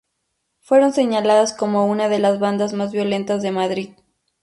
Fueron señaladas como una de las bandas más violentas de Madrid.